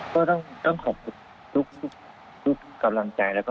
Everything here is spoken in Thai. ก็ต้องบอกทั้งคำสั่ง